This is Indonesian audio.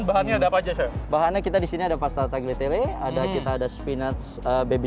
bahannya ada apa aja chef bahannya kita di sini ada pasta tagliatelle ada kita ada spinach baby